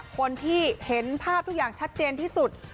คนที่เห็นภาพทุกอย่างชัดเจนที่สุด